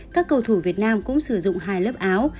các cầu thủ việt nam cũng sử dụng hai lớp áo